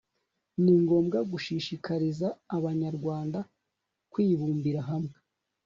ni ngombwa gushishikariza abanyarwanda kwibumbira hamwe